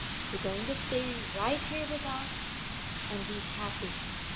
You are going to stay right here with us and be happy."